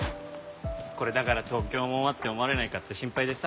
これだから東京もんはって思われないかって心配でさ。